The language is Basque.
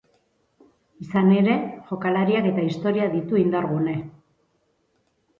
Izan ere, jokalariak eta historia ditu indargune.